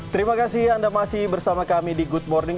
terima kasih anda masih bersama kami di good morning